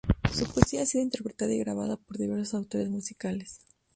Su poesía ha sido interpretada y grabada por diversos autores musicales.